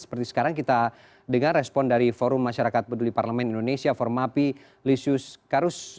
seperti sekarang kita dengar respon dari forum masyarakat peduli parlemen indonesia formapi lisius karus